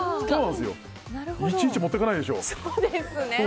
いちいち持っていかないでしょ。